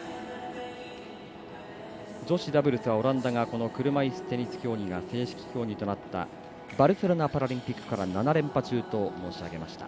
女子ダブルスはオランダがこの車いすテニス競技が正式競技となったバルセロナパラリンピックから７連覇中と申し上げました。